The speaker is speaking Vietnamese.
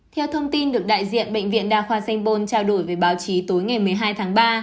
theo thông tin được đại diện bệnh viện đa khoa sanh bôn trao đổi với báo chí tối ngày một mươi hai tháng ba